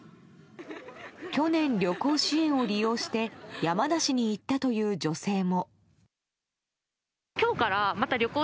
去年、旅行支援を利用して山梨に行ったという女性も。